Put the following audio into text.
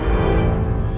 mending aku keluar sekarang